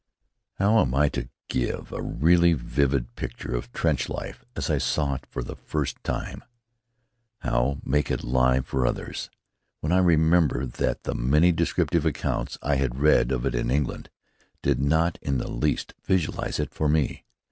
How am I to give a really vivid picture of trench life as I saw it for the first time, how make it live for others, when I remember that the many descriptive accounts I had read of it in England did not in the least visualize it for me?